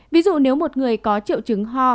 ví dụ nếu một người có triệu chứng ho